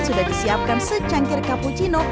sudah disiapkan secangkir cappuccino